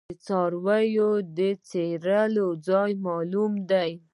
د څارویو د څرائ ځای معلوم دی؟